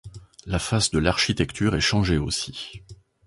La face de l'architecture est changée aussi.